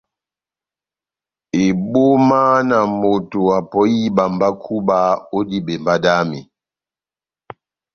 Ebóma na moto apɔhi ihíba mba kúba ó dibembá dami !